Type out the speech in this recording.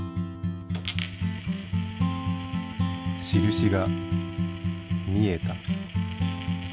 印が見えた。